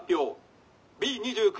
Ｂ２９